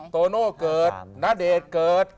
โตโน่เกิดณเดชน์เกิด